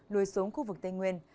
lùi xuống khu vực tây nguyên